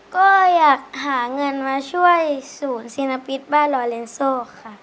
ก็อยากหาเงินมาช่วยศูนย์ศิลปิตบ้านรอเลนโซค่ะ